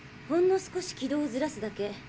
ほんの少し軌道をずらすだけ。